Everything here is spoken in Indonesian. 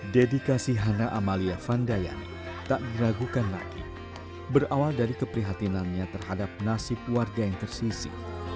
dedikasi hana amalia vandayani tak diragukan lagi berawal dari keprihatinannya terhadap nasib warga yang tersisi